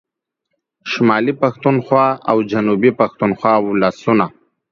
شمالي پښتونخوا او جنوبي پښتونخوا ولسونو